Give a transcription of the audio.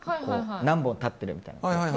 何本立ってるみたいな。